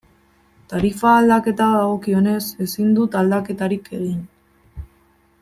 Tarifa aldaketa dagokionez, ezin dut aldaketarik egin.